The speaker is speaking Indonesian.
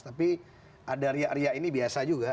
tapi ada ria ria ini biasa juga